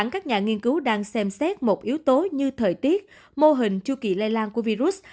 các nhà nghiên cứu đang xem xét một yếu tố như thời tiết mô hình chu kỳ lây lan của virus